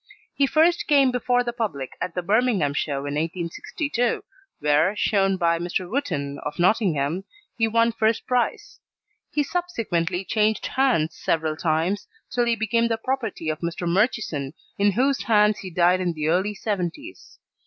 He first came before the public at the Birmingham show in 1862, where, shown by Mr. Wootton, of Nottingham, he won first prize. He subsequently changed hands several times, till he became the property of Mr. Murchison, in whose hands he died in the early 'seventies.